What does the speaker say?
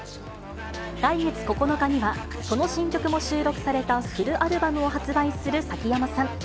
来月９日には、その新曲も収録されたフルアルバムを発売する崎山さん。